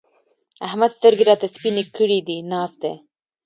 احمد سترګې راته سپينې کړې دي؛ ناست دی.